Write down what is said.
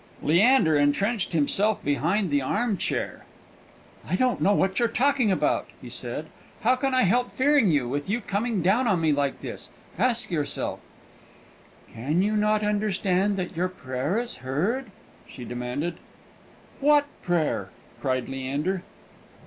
Leander entrenched himself promptly behind the armchair. "I don't know what you're talking about!" he said. "How can I help fearing, with you coming down on me like this? Ask yourself." "Can you not understand that your prayer is heard?" she demanded. "What prayer?" cried Leander.